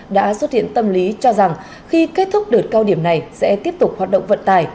đã xuất hiện tâm lý cho rằng khi kết thúc đợt cao điểm này sẽ tiếp tục hoạt động vận tải